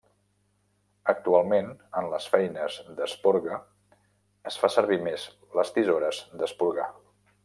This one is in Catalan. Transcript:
Actualment en les feines d'esporga es fa servir més les tisores d'esporgar.